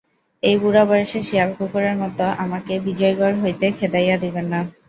এই বুড়া বয়সে শেয়াল-কুকুরের মতো আমাকে বিজয়গড় হইতে খেদাইয়া দিবেন না।